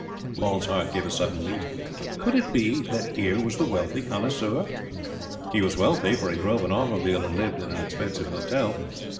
Paul's heart gave a sudden leap. Could it be that here was the wealthy connoisseur? He was wealthy, for he drove an automobile and lived in an expensive hotel.